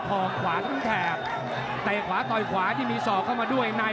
ออกขวาทั้งแถบเตะขวาต่อยขวาที่มีศอกเข้ามาด้วยใน